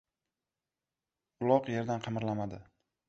Uloq yerdan qimirlamadi.